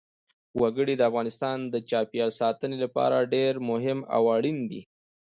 وګړي د افغانستان د چاپیریال ساتنې لپاره ډېر مهم او اړین دي.